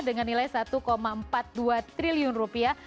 dengan nilai satu empat puluh dua triliun rupiah